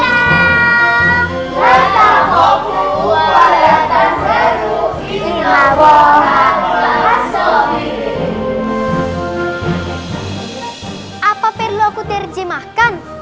apa perlu aku terjemahkan